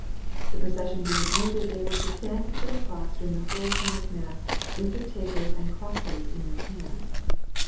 The procession being ended they were to stand before the Cross during the whole time of mass with their tapers and crosses in their hands.